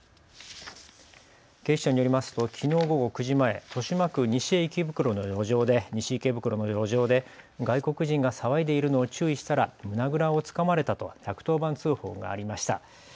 警視庁によりますときのう午後９時前、豊島区西池袋の路上で外国人が騒いでいるのを注意したら胸倉をつかまれたと１１０番通報がありました。